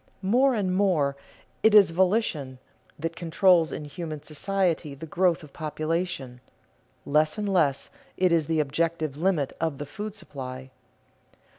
More and more it is volition that controls in human society the growth of population; less and less it is the objective limit of the food supply.